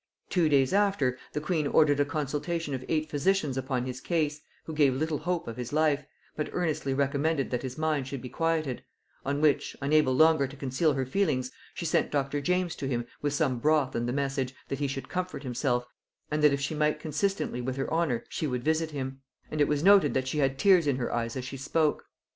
Two days after, the queen ordered a consultation of eight physicians upon his case, who gave little hope of his life, but earnestly recommended that his mind should be quieted; on which, unable longer to conceal her feelings, she sent Dr. James to him with some broth and the message, that he should comfort himself, and that if she might consistently with her honor she would visit him; and it was noted that she had tears in her eyes as she spoke.